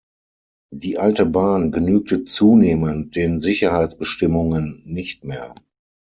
Die alte Bahn genügte zunehmend den Sicherheitsbestimmungen nicht mehr.